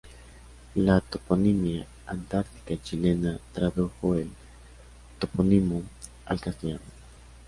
La toponimia antártica chilena tradujo el topónimo al castellano.